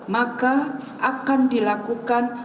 maka akan diperlukan